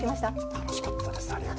楽しかったです。